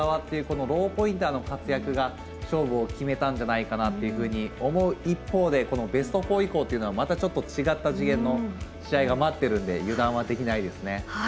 今井、若山、長谷川というローポインターの活躍が勝負を決めたんじゃないかなと思う一方でこのベスト４以降というのはまた違った次元の試合が待ってるので油断はできないですね。